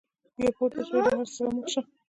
یا راپورته شه او له هر څه سره مخ شه.